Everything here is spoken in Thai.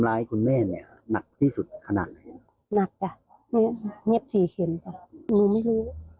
หนูไม่รู้